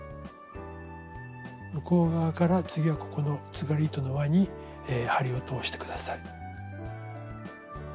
向こう側から次はここのつがり糸の輪に針を通して下さい。